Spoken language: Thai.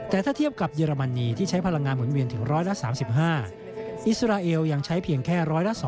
แต่ถ้าเทียบกับเยอรมนีที่ใช้พลังงานหมุนเวียนถึง๑๓๕อิสราเอลยังใช้เพียงแค่๑๐๒